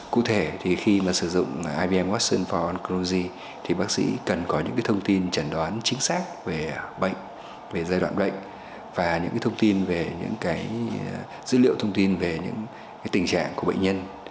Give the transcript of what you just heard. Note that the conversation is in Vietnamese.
cụ thể thì khi mà sử dụng ibm watson for oncology thì bác sĩ cần có những thông tin trần đoán chính xác về bệnh về giai đoạn bệnh và những dữ liệu thông tin về tình trạng của bệnh nhân